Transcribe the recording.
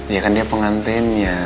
ya kan dia pengantinnya